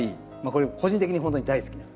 これ個人的にほんとに大好きな。